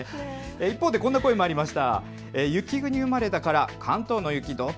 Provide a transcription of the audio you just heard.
一方でこんな声もありました。